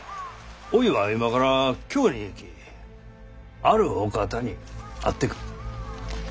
おいは今から京に行きあるお方に会ってくる。